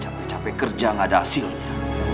capek capek kerja gak ada hasilnya